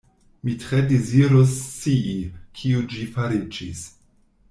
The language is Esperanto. Mi tre dezirus scii, kio ĝi fariĝis.